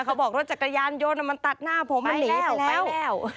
เขาบอกรถจักรยานยนต์มันตัดหน้าผมมันหนีออกไปแล้ว